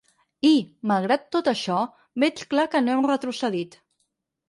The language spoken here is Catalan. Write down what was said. I, malgrat tot això, veig clar que no hem retrocedit.